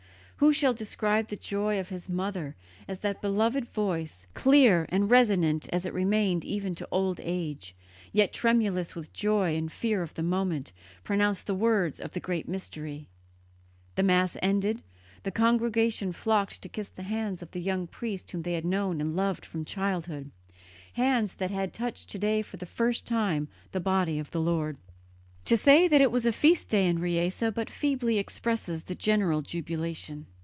Who shall describe the joy of his mother as that beloved voice, clear and resonant as it remained even to old age, yet tremulous with the joy and fear of the moment, pronounced the words of the great Mystery? The Mass ended, the congregation flocked to kiss the hands of the young priest whom they had known and loved from childhood hands that had touched to day for the first time the Body of the Lord. To say that it was a feast day in Riese but feebly expresses the general jubilation.